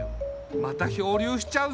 また漂流しちゃうぞ！